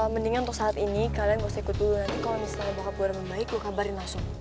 mendingan untuk saat ini kalian gak usah ikut dulu nanti kalo misalnya bokap gue ada yang baik lo kabarin langsung